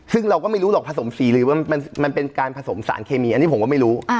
ซึ่งเราก็ไม่รู้หรอกผสมสีหรือว่ามันเป็นการผสมสารเคมีอันนี้ผมก็ไม่รู้